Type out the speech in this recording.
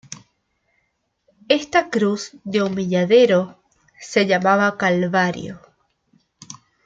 Esta cruz de humilladero se llamaba Calvario.